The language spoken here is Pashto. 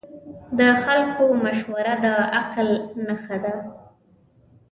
د خلکو مشوره د عقل نښه ده.